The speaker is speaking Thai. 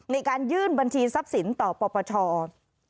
ในการยื่นบัญชีทรัพย์สินต่อปปช